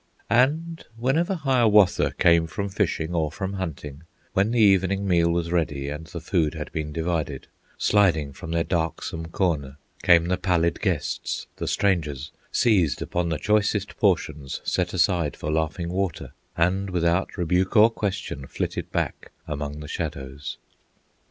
And whenever Hiawatha Came from fishing or from hunting, When the evening meal was ready, And the food had been divided, Gliding from their darksome corner, Came the pallid guests, the strangers, Seized upon the choicest portions Set aside for Laughing Water, And without rebuke or question Flitted back among the shadows.